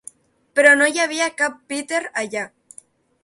Però no hi havia cap Peter allà.